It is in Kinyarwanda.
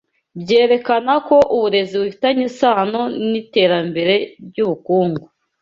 byerekana ko uburezi bufitanye isano niterambere ryubukungu